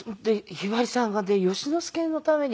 ひばりさんがね善之介のために。